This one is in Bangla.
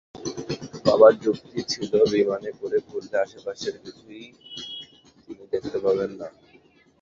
বাবার যুক্তি ছিল বিমানে করে ঘুরলে আশপাশের কিছুই তিনি দেখতে পাবেন না।